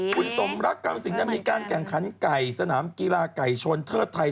คุณสมรักกรรมสิงมีการแข่งขันไก่สนามกีฬาไก่ชนเทิดไทย